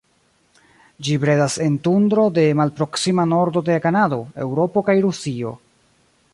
Ĝi bredas en tundro de malproksima nordo de Kanado, Eŭropo kaj Rusio.